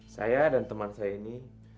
saya dan teman saya ini